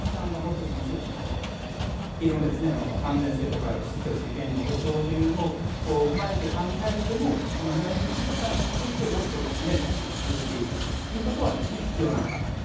内密出産が持ついろんな安全性とか出自を知る権利の保障ということを踏まえて考えても、内密出産についてもっと普及していくということは必要なのかなと。